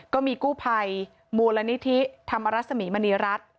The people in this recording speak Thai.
ก็มีกู้ภัยมูลนิธิธรรมรสมีมณีรัฐ